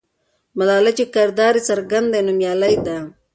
ملالۍ چې کردار یې څرګند دی، نومیالۍ ده.